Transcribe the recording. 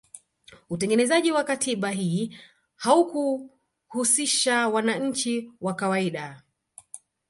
Utengenezaji wa katiba hii haukuhusisha wananchi wa kawaida